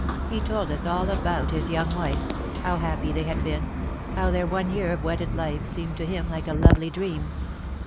" He told us all about bis young wife — bow bappy tbey bad been — bow tbeir one year of wedded life seemed to bim like a lovely dream.